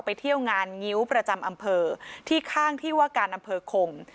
เที่ยวงานงิ้วประจำอำเภอที่ข้างที่ว่าการอำเภอคม